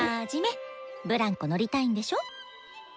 ブランコ乗りたいんでしょ？